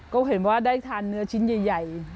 ก็เห็นว่าได้ทานเนื้อชิ้นใหญ่